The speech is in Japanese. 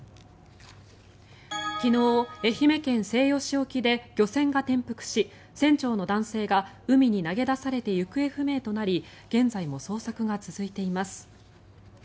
昨日、愛媛県西予市沖で漁船が転覆し船長の男性が海に投げ出されて行方不明となり現在も捜索が続いています。